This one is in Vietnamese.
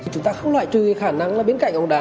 chúng ta không loại trừ khả năng là bên cạnh bóng đá